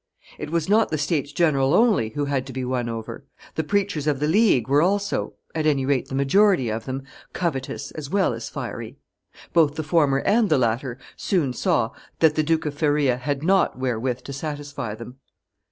It was not the states general only who had to be won over; the preachers of the League were also, at any rate the majority of them, covetous as well as fiery; both the former and the latter soon saw that the Duke of Feria had not wherewith to satisfy them.